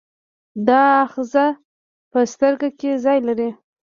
دا آخذه په سترګه کې ځای لري.